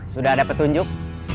sudah ada petunjuk